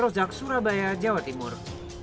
rojak surabaya jawa timur